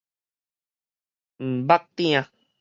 毋沐鼎